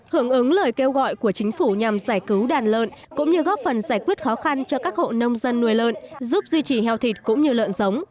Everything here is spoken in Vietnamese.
hưởng ứng lời kêu gọi của chính phủ nhằm giải cứu đàn lợn cũng như góp phần giải quyết khó khăn cho các hộ nông dân nuôi lợn giúp duy trì heo thịt cũng như lợn giống